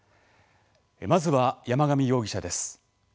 まずは山上容疑者です。